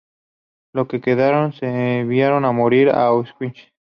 Los que quedaron se enviaron a morir a Auschwitz.